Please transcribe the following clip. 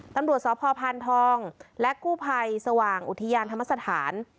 ตำรวจสพพานทองและกู้ภัยสว่างอุทยานธรรมสถาน